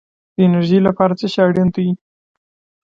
د انرژۍ لپاره څه شی اړین دی؟